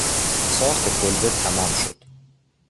ساخت کلبه تمام شد.